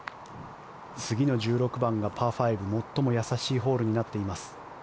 次の１６番がパー５最も易しいホールになっています。